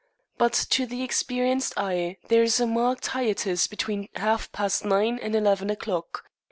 But to the experienced eye there is a marked hiatus between half past nine and eleven o'clock.